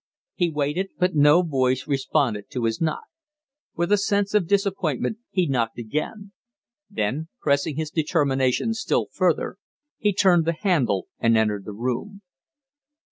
He waited, but no voice responded to his knock. With a sense of disappointment he knocked again; then, pressing his determination still further, he turned the handle and entered the room.